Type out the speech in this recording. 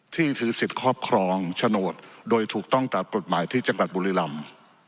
ที่ถือสิทธิ์ครอบครองโฉนดโดยถูกต้องตามกฎหมายที่จังหวัดบุรีรำ